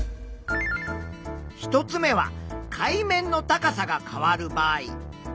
１つ目は海面の高さが変わる場合。